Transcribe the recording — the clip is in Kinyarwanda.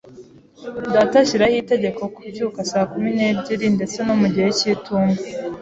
Data ashyiraho itegeko kubyuka saa kumi n'ebyiri, ndetse no mu gihe cy'itumba.